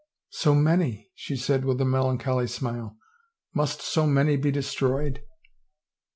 " So many ?" she said with a melancholy smile. " Must so many be destroyed